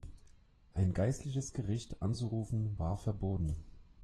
Ein geistliches Gericht anzurufen war verboten.